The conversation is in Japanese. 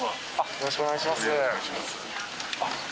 よろしくお願いします。